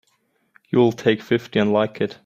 You'll take fifty and like it!